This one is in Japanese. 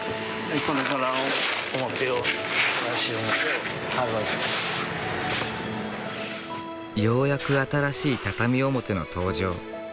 ようやく新しい畳表の登場。